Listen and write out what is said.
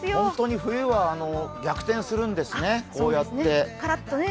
本当に冬は逆転するんですね、こうやって。